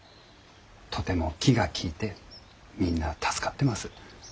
とても気が利いてみんな助かってます。